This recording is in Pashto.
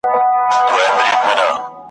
کوي او سوکاله وي ,